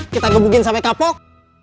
kita gebugin sampe kapok